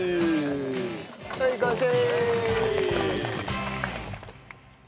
はい完成！